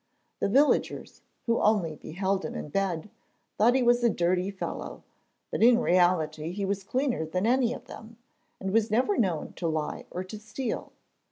The villagers, who only beheld him in bed, thought him a dirty fellow; but in reality he was cleaner than any of them, and was never known to lie or to steal.